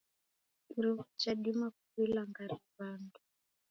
Iruwa jadima kuwilangaria wandu.